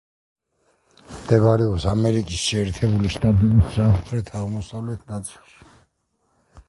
მდებარეობს ამერიკის შეერთებული შტატების სამხრეთ-აღმოსავლეთ ნაწილში.